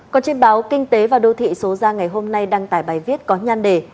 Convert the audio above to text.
còn trên báo kinh tế và đô thị số ra ngày hôm nay đăng tải bài viết có nhan đề